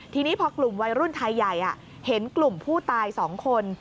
ทีนี้พอกลุ่มวัยรุ่นไทยใหญ่เห็นกลุ่มผู้ตาย๒คน